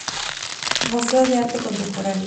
Museo de Arte Contemporáneo